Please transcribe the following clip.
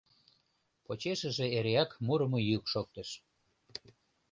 Почешыже эреак мурымо йӱк шоктыш.